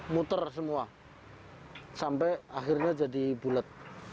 muter semua sampai akhirnya jadi bulet